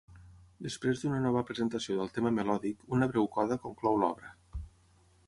Després d'una nova presentació del tema melòdic, una breu coda conclou l'obra.